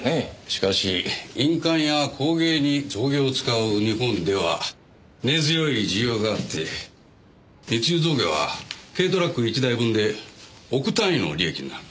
しかし印鑑や工芸に象牙を使う日本では根強い需要があって密輸象牙は軽トラック１台分で億単位の利益になる。